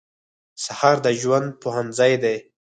سهار د ژوند پوهنځی دی.